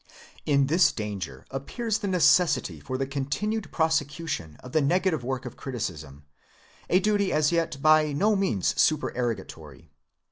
In this danger appears the necessity for the con tinued prosecution of the negative work of criti cism, a duty as yet by no means supererogatory.